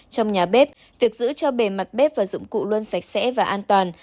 trong nhà bếp việc giữ cho bề mặt bếp và dụng cụ luôn sạch sẽ và an toàn